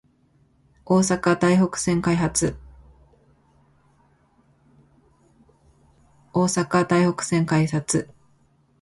大阪・台北線開設